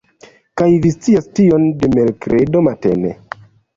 Kaj vi scias tion de merkredo matene!